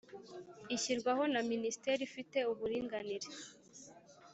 Ishyirwaho na minisiteri ifite uburinganire